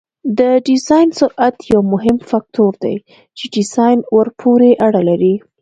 د ډیزاین سرعت یو مهم فکتور دی چې ډیزاین ورپورې اړه لري